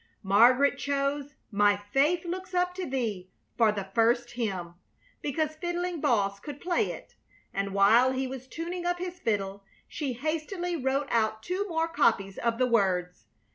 Margaret chose "My Faith looks up to Thee" for the first hymn, because Fiddling Boss could play it, and while he was tuning up his fiddle she hastily wrote out two more copies of the words.